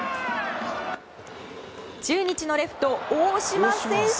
中日のレフト、大島選手